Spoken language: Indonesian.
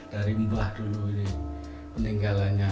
dari mbah dulu ini peninggalannya